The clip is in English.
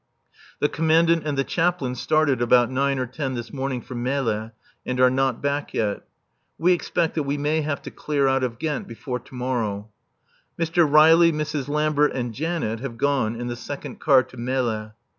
The Commandant and the Chaplain started about nine or ten this morning for Melle, and are not back yet. We expect that we may have to clear out of Ghent before to morrow. Mr. Riley, Mrs. Lambert and Janet have gone in the second car to Melle.